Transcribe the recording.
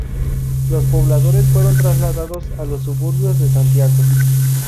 Los pobladores fueron trasladados a los suburbios de Santiago.